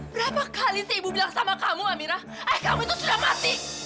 berapa kali sih ibu bilang sama kamu amira ayah kamu itu sudah mati